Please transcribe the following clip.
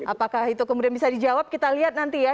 apakah itu kemudian bisa dijawab kita lihat nanti ya